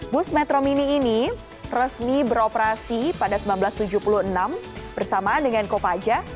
bus metro mini ini resmi beroperasi pada seribu sembilan ratus tujuh puluh enam bersamaan dengan kopaja